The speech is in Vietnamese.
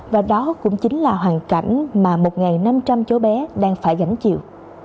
và đó cũng chính là hoàn cảnh mà một năm trăm linh cháu bé đang phải gánh chịu